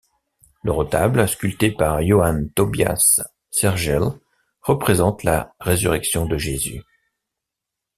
Le retable, sculpté par Johan Tobias Sergel, représente la résurrection de Jésus.